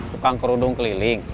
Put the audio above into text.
bukan kerudung keliling